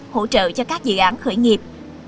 hỗ trợ cho các dự án khởi nghiệp